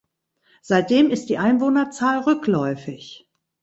Seitdem ist die Einwohnerzahl rückläufig.